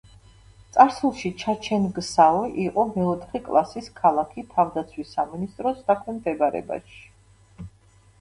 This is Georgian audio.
წარსულში, ჩაჩენგსაო იყო მეოთხე კლასის ქალაქი თავდაცვის სამინისტროს დაქვემდებარებაში.